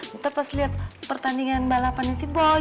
ntar pas liat pertandingan balapannya si boy